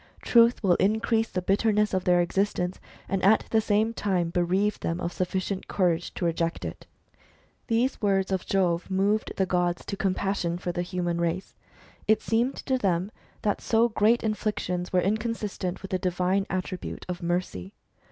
Truth will increase the bitter ness of their existence, and at the same time bereave them of sufficient courage to reject it." These words of Jove moved the gods to compassion for the human race. It seemed to them that so great inflictions were inconsistent with the divine attribute of mercy.